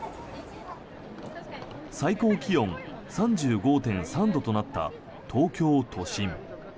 最高気温３５．３度となった東京都心。